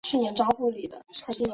其日本名为佐藤爱之助。